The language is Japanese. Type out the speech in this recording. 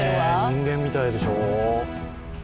人間みたいでしょう？